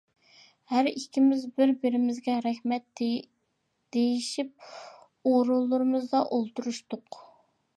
ھەر ئىككىمىز بىر بىرىمىزگە رەھمەت دېيىشىپ ئورۇنلىرىمىزدا ئولتۇرۇشتۇق.